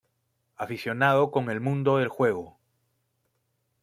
Aficionado con el mundo del juego.